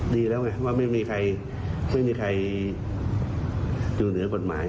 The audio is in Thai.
ดีแล้วไงว่าไม่มีใครอยู่เหนือกฎหมาย